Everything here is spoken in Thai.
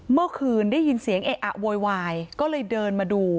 เมื่อคืนได้ยินเสียงเอะอะโวยวายก็เลยเดินมาดู